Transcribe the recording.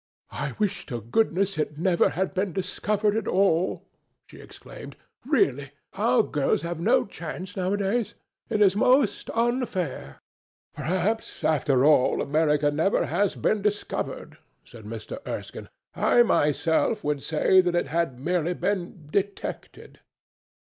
"I wish to goodness it never had been discovered at all!" she exclaimed. "Really, our girls have no chance nowadays. It is most unfair." "Perhaps, after all, America never has been discovered," said Mr. Erskine; "I myself would say that it had merely been detected."